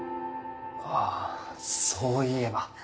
ああそういえば。